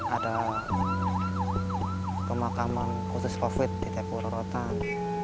ada pemakaman khusus covid di tpu rorotan